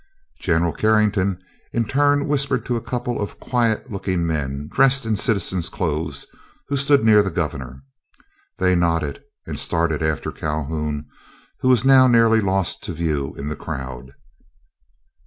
General Carrington in turn whispered to a couple of quiet looking men, dressed in citizen's clothes who stood near the Governor. They nodded, and started after Calhoun, who was now nearly lost to view in the crowd.